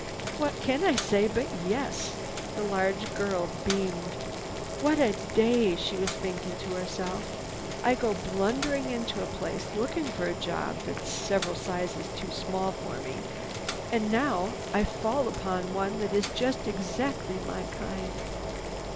"What can I say but yes!" The large girl beamed. "What a day!" she was thinking to herself. "I go blundering into a place looking for a job that's several sizes too small for me. And now I fall upon one that is just exactly my kind."